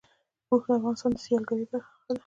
اوښ د افغانستان د سیلګرۍ برخه ده.